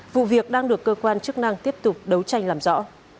vụ việc đang được cơ quan chức năng tiếp tục đấu tranh làm rõ